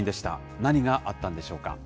何があったんでしょうか。